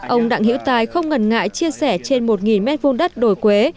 ông đặng hiễu tài không ngần ngại chia sẻ trên một m hai đồi quế